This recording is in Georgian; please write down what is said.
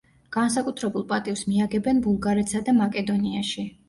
განსაკუთრებულ პატივს მიაგებენ ბულგარეთსა და მაკედონიაში.